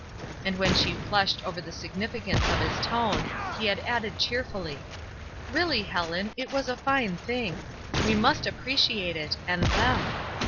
And when she flushed over the significance of his tone, he had added cheerfully: — ''Really, Helen, it was a fine thing; we must appreciate it, and them.